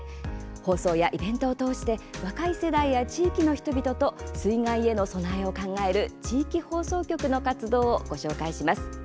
放送やイベントを通して若い世代や地域の人々と水害への備えを考える地域放送局の活動をご紹介します。